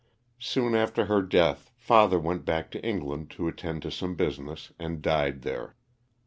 Soon after her death father went back to England to attend to some business and died there.